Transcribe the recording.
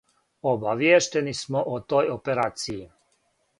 "Обавијештени смо о тој операцији."